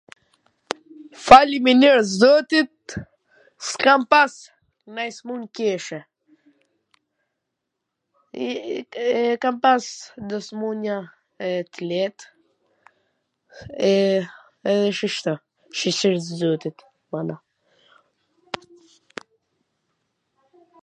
Faleminerws zotit, s kam pas nanj smun t keCe, kam pas do smun-je t let, edhe shishto, shiCir zotit, mana,